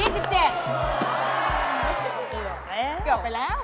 เกี่ยวไปแล้ว